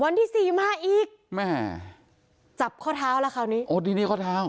วันที่สี่มาอีกแม่จับข้อเท้าแล้วคราวนี้โอ้ทีนี้ข้อเท้า